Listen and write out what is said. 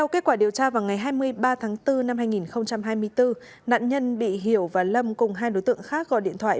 kết quả điều tra vào ngày hai mươi ba tháng bốn năm hai nghìn hai mươi bốn nạn nhân bị hiểu và lâm cùng hai đối tượng khác gọi điện thoại